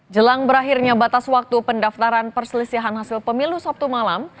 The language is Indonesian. jelang berakhirnya batas waktu pendaftaran perselisihan hasil pemilu sabtu malam